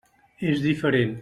És diferent.